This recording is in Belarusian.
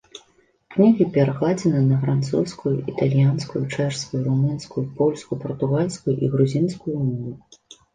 Кнігі перакладзены на французскую, італьянскую, чэшскую, румынскую, польскую, партугальскую і грузінскую мовы.